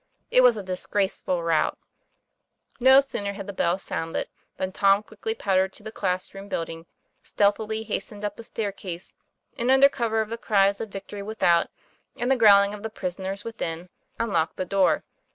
It was a disgraceful rout. No sooner had the bell sounded than Tom quickly pattered to the class room building, stealthily has tened up the staircase, and under cover of the cries of victory without, and the growling of the prisoners within, unlocked the door.